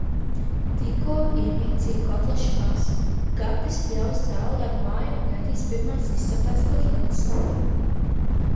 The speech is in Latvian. Tikko iemīcīju kotlešu masu, Gatis pļaus zāli ap māju un gaidīs pirmās izceptās kotletes.